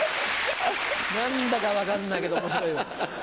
何だか分かんないけど面白いわ。